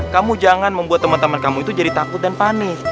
kamu jangan membuat teman teman kamu itu jadi takut dan panik